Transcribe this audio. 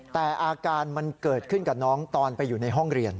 แต่อาการมันเกิดขึ้นกับน้องตอนไปอยู่ในห้องเรียน